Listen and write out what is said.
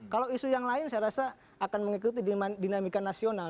kalau isu yang lain saya rasa akan mengikuti dinamika nasional